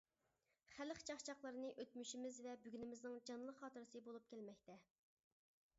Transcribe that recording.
خەلق چاقچاقلىرىنى ئۆتمۈشىمىز ۋە بۈگۈنىمىزنىڭ جانلىق خاتىرىسى بولۇپ كەلمەكتە.